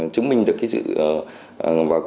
chứng minh được